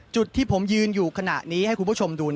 จุดที่ผมยืนอยู่ขณะนี้ให้คุณผู้ชมดู